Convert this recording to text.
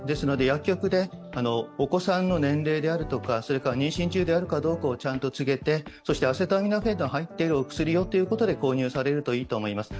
薬局でお子さんの年齢であるとか妊娠中であるかどうかをちゃんと告げてそしてアセトアミノフェンの入ってるお薬をということで購入されるといいと思います。